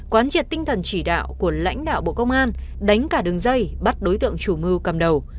quán triệt tinh thần chỉ đạo của lãnh đạo bộ công an đánh cả đường dây bắt đối tượng chủ mưu cầm đầu